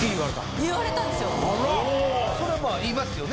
それはまあ言いますよね